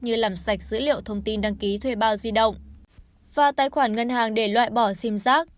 như làm sạch dữ liệu thông tin đăng ký thuê bao di động và tài khoản ngân hàng để loại bỏ sim giác